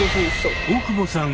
大久保さん